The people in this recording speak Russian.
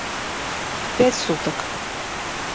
— Пять суток.